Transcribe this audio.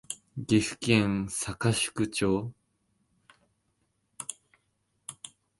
岐阜県坂祝町